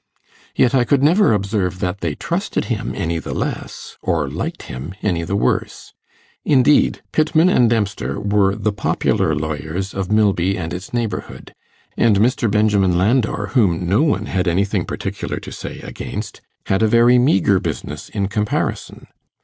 Yet I could never observe that they trusted him any the less, or liked him any the worse. Indeed, Pittman and Dempster were the popular lawyers of Milby and its neighbourhood, and Mr. Benjamin Landor, whom no one had anything particular to say against, had a very meagre business in comparison.